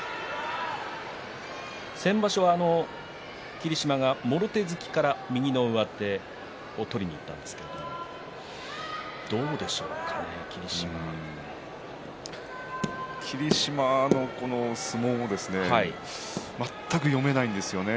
先場所は霧島がもろ手突きから右の上手を取りにいったんですけれど霧島の相撲も全く読めないんですよね。